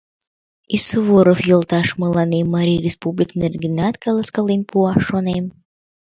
И Суворов йолташ мыланем Марий республик нергенат каласкален пуа, шонем.